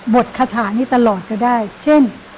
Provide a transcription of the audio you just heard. ดคาถานี้ตลอดก็ได้เช่น